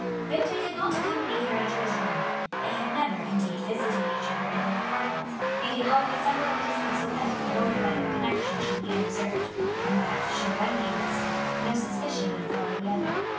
Victor did not accompany Harry to his room; they had never, indeed, visited each other in their apartments, meeting always some little distance away in order that their connection should be unobserved, and that, should one be arrested, no suspicion would follow the other.